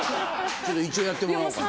ちょっと一応やってもらおうかな。